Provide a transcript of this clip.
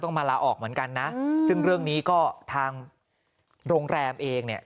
มาลาออกเหมือนกันนะซึ่งเรื่องนี้ก็ทางโรงแรมเองเนี่ย